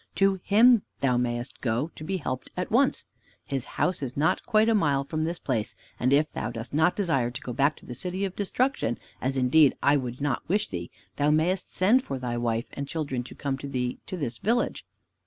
To him thou mayest go to be helped at once. His house is not quite a mile from this place, and if thou dost not desire to go back to the City of Destruction, as indeed I would not wish thee, thou mayest send for thy wife and children to come to thee to this village.